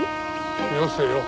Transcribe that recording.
よせよ。